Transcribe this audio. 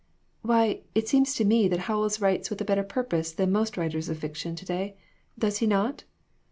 "Why, it seems to me that Howells writes with a better purpose than most writers of fiction to day, does he not